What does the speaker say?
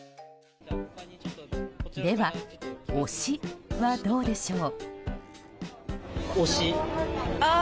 では、「推し」はどうでしょう。